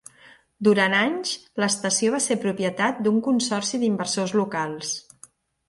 Durant anys, l'estació va ser propietat d'un consorci d'inversors locals.